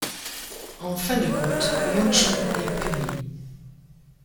En fin de compte, Yeung Chun est puni.